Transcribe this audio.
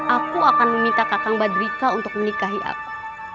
aku akan meminta kakang badrika untuk menikahi aku